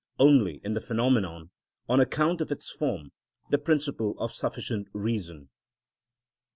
_, only in the phenomenon, on account of its form, the principle of sufficient reason.